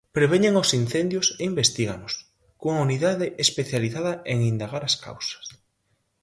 Preveñen os incendios e investíganos, cunha unidade especializada en indagar as causas.